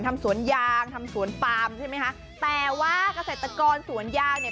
ทำสวนยางทำสวนปามใช่ไหมคะแต่ว่าเกษตรกรสวนยางเนี่ย